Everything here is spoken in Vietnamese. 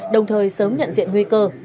đồng thời sớm nhận diện nguy cơ